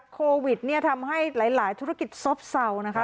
โควิดเนี่ยทำให้หลายธุรกิจซบเศร้านะคะ